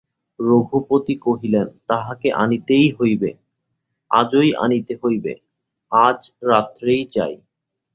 রঘুপতি কহিলেন, তাহাকে আনিতেই হইবে–আজই আনিতে হইবে–আজ রাত্রেই চাই।